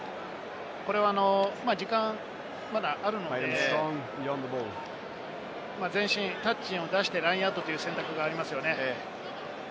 これは時間まだあるので、タッチを出して、ラインアウトという選択がありますよね。